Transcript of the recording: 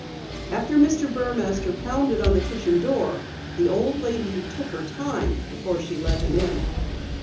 After Mr. Burmaster pounded on the kitchen door, the old lady took her time before she let him in.